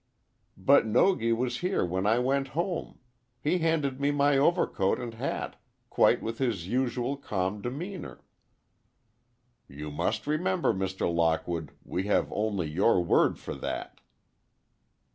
"But Nogi was here when I went home. He handed me my overcoat and hat, quite with his usual calm demeanor." "You must remember, Mr. Lockwood, we have only your word for that."